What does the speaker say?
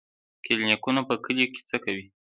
کلینیکونه په کلیو کې څه کوي؟